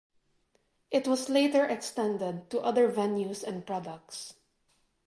It was later extended to other venues and products.